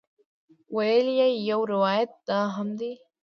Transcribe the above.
ویل یې یو روایت دا هم دی.